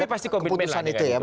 kami pasti komitmen dengan itu